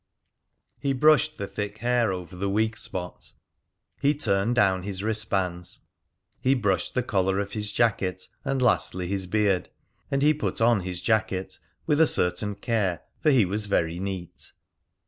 He brushed the thick hair over the weak spot, he turned down his wristbands, he brushed the collar of his jacket, and lastly his beard; and he put on his jacket with a certain care, for he was very neat.